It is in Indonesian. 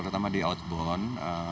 terutama di outbound